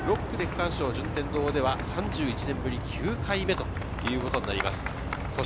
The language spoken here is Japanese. ６区で区間賞、順天堂では３１年ぶり９回目ということになります。